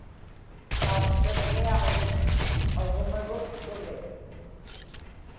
tauqsiġñiaġvik agmaruq suli